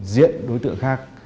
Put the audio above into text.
diễn đối tượng khác